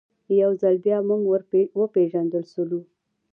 یو ځل بیا موږ ور وپېژندل سولو.